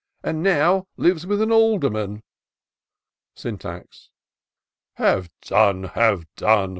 And now lives with an alderman.'* Syntax. " Have done — ^have done